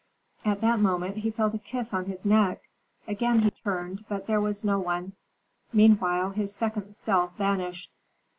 At that moment he felt a kiss on his neck. Again he turned, but there was no one; meanwhile his second self vanished.